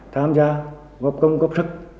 tham gia góp công góp sức